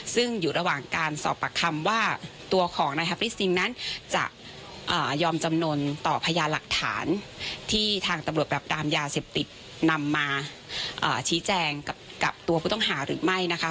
ซึ่งอยู่ระหว่างการสอบปากคำว่าตัวของนายแฮปริสติงนั้นจะยอมจำนวนต่อพยานหลักฐานที่ทางตำรวจปรับปรามยาเสพติดนำมาชี้แจงกับตัวผู้ต้องหาหรือไม่นะคะ